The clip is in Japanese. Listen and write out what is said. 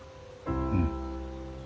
うん。